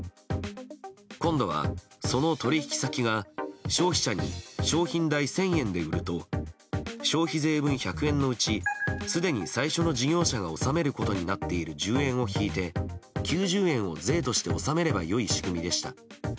今度は、その取引先が消費者に商品代１０００円で売ると消費税分１００円のうちすでに最初の事業者が納めることになっている１０円を引いて９０円を税として納めればよい仕組みでした。